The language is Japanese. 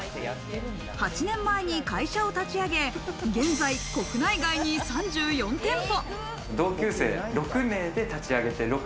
８年前に会社を立ち上げ、現在、国内外に３４店舗。